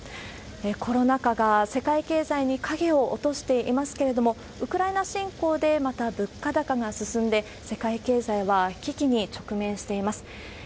コロナ禍が世界経済に影を落としていますけれども、ウクライナ侵攻でまた物価高が進んで、世界経済は危機に直面しています。